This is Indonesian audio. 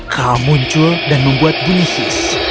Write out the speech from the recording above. kera muncul dan membuat bunyi sis